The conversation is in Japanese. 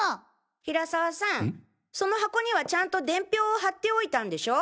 平沢さんその箱にはちゃんと伝票を貼っておいたんでしょ？